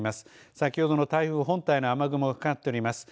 先ほどの台風本体の雨雲がかかっております。